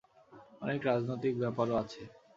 অনেক রাজনৈতিক ব্যাপারও আছে।